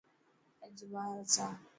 اڄ ٻاهر هلسان؟